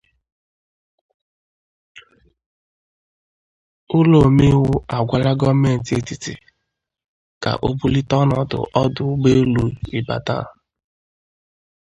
Ụlọ Omeiwu Agwala Gọọmenti Etiti ka O Bulite Ọnọdụ Ọdụ Ugboelu Ibadan